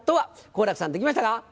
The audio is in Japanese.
好楽さんできましたか？